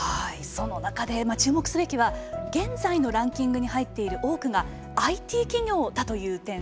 その中で注目すべきは現在のランキングに入っている多くがＩＴ企業だという点。